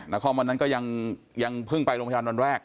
คอมวันนั้นก็ยังเพิ่งไปโรงพยาบาลวันแรก